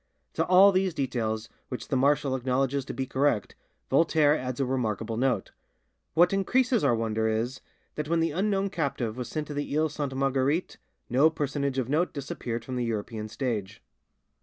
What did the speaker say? To all these details, which the marshal acknowledges to be correct, Voltaire adds a remarkable note: "What increases our wonder is, that when the unknown captive was sent to the Iles Sainte Marguerite no personage of note disappeared from the European stage."